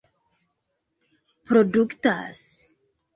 produktas